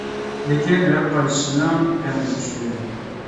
لېكىن ھەر قايسىنىڭ تەمى ئۆزگىچە بولىدۇ.